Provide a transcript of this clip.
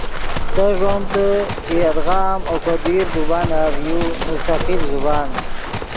تے ݱومتے کہ یدغا ام اوکو دیر زبانف یو مستقل زبان